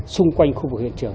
xung quanh khu vực hiện trường